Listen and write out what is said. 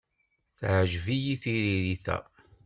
Teɛjeb-iyi tririt-a.